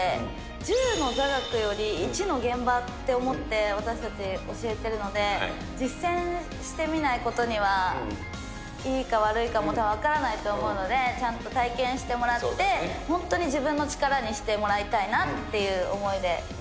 １０の座学より１の現場って思って、私たち教えてるので、実践してみないことには、いいか悪いかも分からないと思うので、ちゃんと体験してもらって、本当に自分の力にしてもらいたいなっていう思いで。